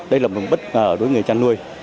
đây là một bất ngờ đối với người chăn nuôi